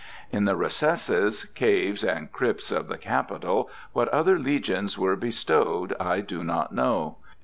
In the recesses, caves, and crypts of the Capitol what other legions were bestowed I do not know.